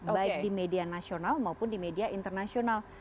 baik di media nasional maupun di media internasional